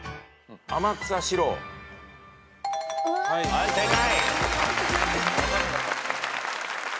はい正解。